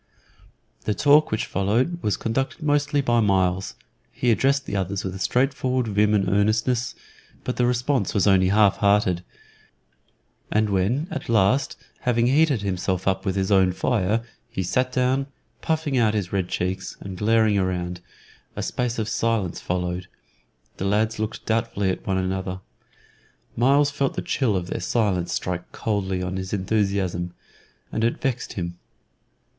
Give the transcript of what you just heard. The talk which followed was conducted mostly by Myles. He addressed the others with a straightforward vim and earnestness, but the response was only half hearted, and when at last, having heated himself up with his own fire, he sat down, puffing out his red cheeks and glaring round, a space of silence followed, the lads looked doubtfully at one another. Myles felt the chill of their silence strike coldly on his enthusiasm, and it vexed him.